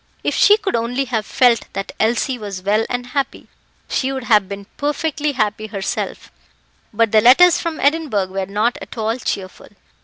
If she could only have felt that Elsie was well and happy, she would have been perfectly happy herself, but the letters from Edinburgh were not at all cheerful.